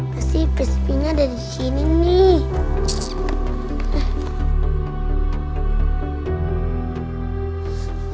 pasti psp nya ada di sini nih